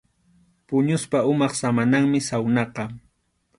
Puñuspa umap samananmi sawnaqa.